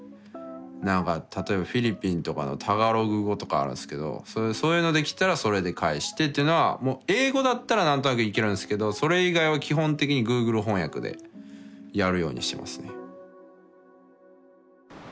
何か例えばフィリピンとかのタガログ語とかあるんすけどそういうので来たらそれで返してっていうのはもう英語だったら何となくいけるんですけどそれ以外は基本的にＧｏｏｇｌｅ翻訳でやるようにしてますね。